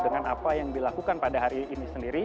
dengan apa yang dilakukan pada hari ini sendiri